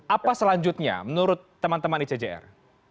apa selanjutnya menurut teman teman icjr